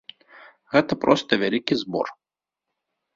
Гэта проста вялікі збор.